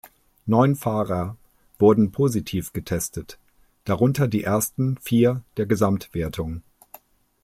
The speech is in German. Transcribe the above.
Neun Fahrer wurden positiv getestet, darunter die ersten vier der Gesamtwertung.